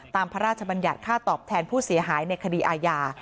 พระราชบัญญัติค่าตอบแทนผู้เสียหายในคดีอาญา